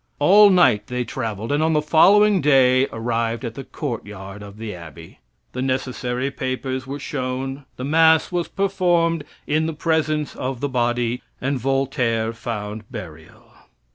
All night they traveled, and on the following day arrived at the courtyard of the abbey. The necessary papers were shown, the mass was performed in the presence of the body, and Voltaire found burial.